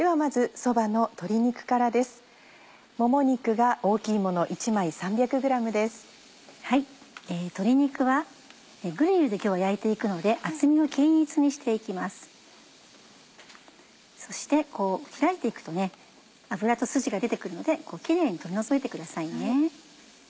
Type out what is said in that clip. そしてこう開いて行くと脂とスジが出て来るのでキレイに取り除いてくださいね。